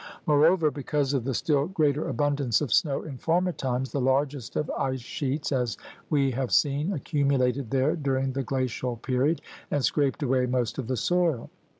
More over, because of the still greater abundance of snow in former times, the largest of ice sheets, as we have seen, accumulated there during the Glacial Period and scraped away most of the soil.